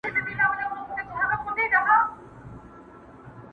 • ښخ کړﺉ هدیره کي ما د هغو مېړنو تر څنګ..